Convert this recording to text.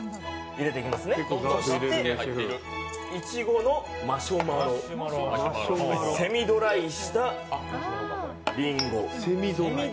いちごのマシュマロ、セミドライしたりんご。